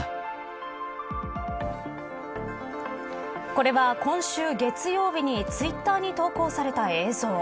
これは、今週月曜日にツイッターに投稿された映像。